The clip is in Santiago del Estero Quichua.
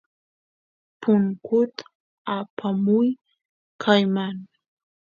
punkut apamuy kayman